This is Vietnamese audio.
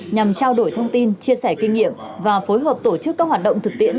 nhằm trao đổi thông tin chia sẻ kinh nghiệm và phối hợp tổ chức các hoạt động thực tiễn